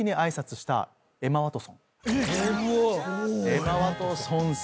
エマ・ワトソンさん。